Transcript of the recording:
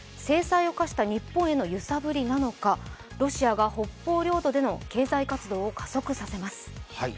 制裁を科した日本への揺さぶりなのかロシアが北方領土での経済活動を加速させます。